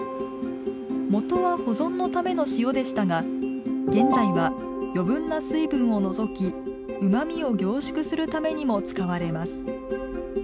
もとは保存のための塩でしたが現在は余分な水分を除きうまみを凝縮するためにも使われます。